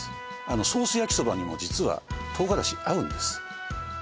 ソース焼きそばにも実は唐辛子合うんです